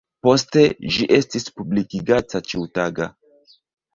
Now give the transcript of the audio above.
Poste ĝi estis publikigata ĉiutaga.